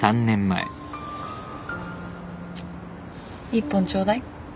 １本ちょうだい